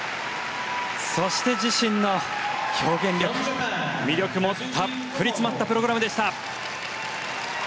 そして、自身の表現力魅力もたっぷり詰まったプログラムでした。